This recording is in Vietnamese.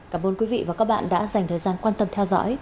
cảm ơn quý vị và các bạn đã dành thời gian quan tâm theo dõi